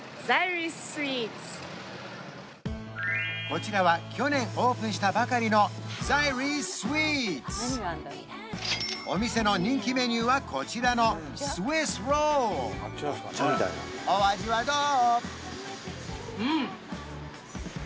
こちらは去年オープンしたばかりのザイリーズスイーツお店の人気メニューはこちらのスイスロールお味はどう？